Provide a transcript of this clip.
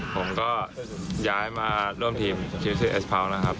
ผมก็ย้ายมาร่วมทีมที่ชื่อเอสเผานะครับ